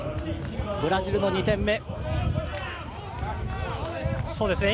ブラジルの２点目。